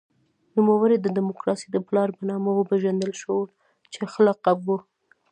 نوموړی د دموکراسۍ د پلار په نامه وپېژندل شو چې ښه لقب و.